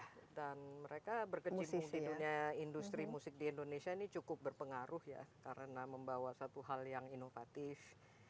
ya dan mereka berkecimpung di dunia industri musik di indonesia ini cukup berpengaruh ya karena membawa satu hal yang inovatif